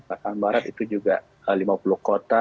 bahkan barat itu juga lima puluh kota